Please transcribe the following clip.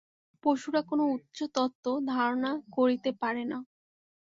পশুরা কোন উচ্চ তত্ত্ব ধারণা করিতে পারে না।